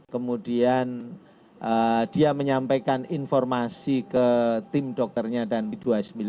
kemudian dia menyampaikan informasi ke tim dokternya dan b dua puluh sembilan